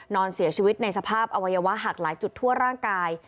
นอนเสียชีวิตในสภาพอวัยวะหักหลายจุดทั่วร่างกาย